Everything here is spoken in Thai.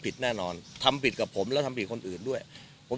แน่นอนทำผิดกับผมแล้วทำผิดคนอื่นด้วยผม